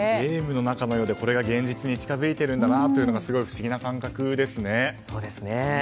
ゲームの中のようでこれが現実に近づいているんだなっていうすごい不思議な感覚ですね。